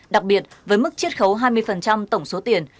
đặc biệt với mức chiết khấu hai mươi tổng số tiền